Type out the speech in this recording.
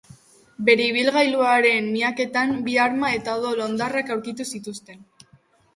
Bere ibilgailuaren miaketan bi arma eta odol hondarrak aurkitu zituzten.